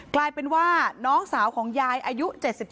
กลายเป็นว่าน้องสาวของยายอายุ๗๒